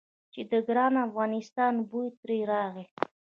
چې د ګران افغانستان بوی ترې راغی.